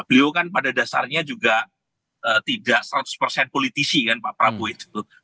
beliau kan pada dasarnya juga tidak seratus persen politisi kan pak prabowo itu